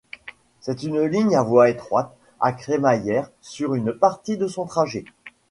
C'est une ligne à voie étroite, à crémaillère sur une partie de son trajet.